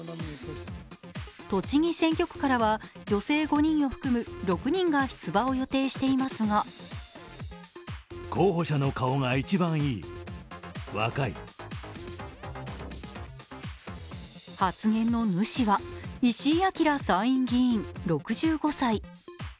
栃木選挙区からは女性５人を含む６人が出馬を予定していますが発言の主は石井章参議院議員６５歳。